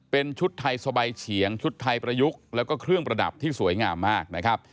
เป็นชุดไทยสบายเฉียงชุดไทยประยุกต์แล้วก็เครื่องประดับที่สวยงามมากนะครับ